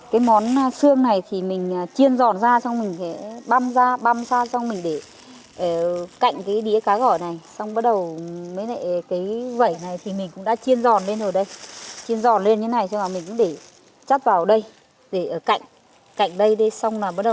cái món xương này thì mình chiên giòn ra xong mình băm ra xong mình để cạnh cái đĩa cá gỏi này xong bắt đầu cái vẩy này thì mình cũng đã chiên giòn lên rồi đây chiên giòn lên như thế này xong rồi mình cũng để chất vào đây để cạnh cạnh đây đây xong là bắt đầu